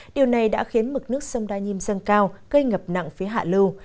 điều này đã khiến mực nước sông đa nhiêm dâng cao gây ngập nặng phía hạ lưu